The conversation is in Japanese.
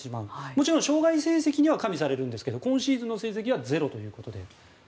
もちろん生涯成績には加味されるんですけど今シーズンの成績はゼロとなります。